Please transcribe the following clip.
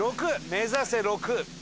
目指せ６！